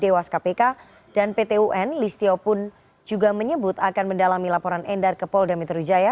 dewas kpk dan pt un listio pun juga menyebut akan mendalami laporan endar ke polda metro jaya